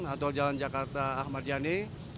atau jalan jakarta ahmadiani